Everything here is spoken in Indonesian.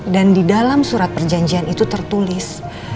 dan di dalam surat perjanjian itu tertulis